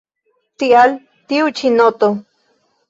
Tial tiu ĉi noto.